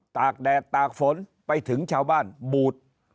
กแดดตากฝนไปถึงชาวบ้านบูด